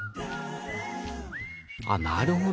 あっなるほど。